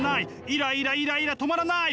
イライライライラ止まらない！